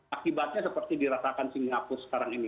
akibatnya seperti dirasakan singapura sekarang ini